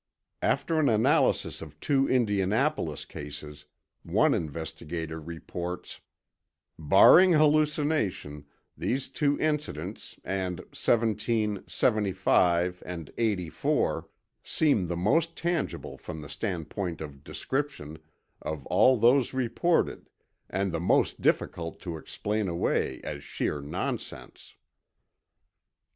After an analysis of two Indianapolis cases, one investigator reports: "Barring hallucination, these two incidents and 17, 75 and 84 seem the most tangible from the standpoint of description, of all those reported, and the most difficult to explain away as sheer nonsense."